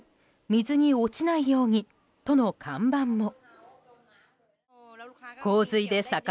水に落ちないように！との看板も。